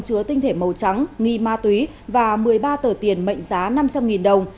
chứa tinh thể màu trắng nghi ma túy và một mươi ba tờ tiền mệnh giá năm trăm linh đồng